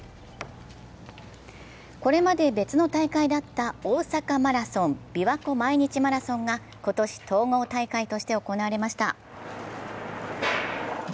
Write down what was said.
これまで別の大会だった大阪マラソン、びわ湖毎日マラソンが今年統合大会として行われました。